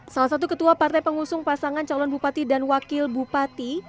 salah satu ketua partai pengusung pasangan calon bupati dan wakil bupati